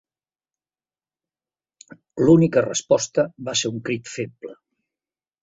L'única resposta va ser un crit feble.